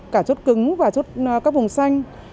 cả chốt cứng và chốt các vùng xanh